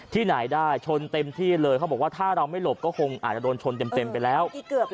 ที่ไหนได้ชนเต็มที่เลยเขาบอกว่าถ้าเราไม่หลบก็คงอาจจะโดนชนเต็มไปแล้ว